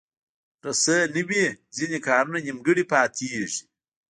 رسۍ نه وي، ځینې کارونه نیمګړي پاتېږي.